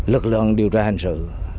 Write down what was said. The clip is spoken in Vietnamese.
lực lượng điều tra hành sự